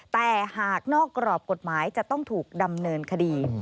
แต่หากนอกกรอบกฎหมายจะต้องถูกดำเนินคดี